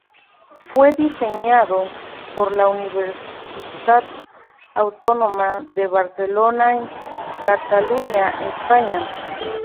Fue diseñado por la Universitat Autònoma de Barcelona en Cataluña, España.